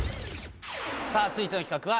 さぁ続いての企画は。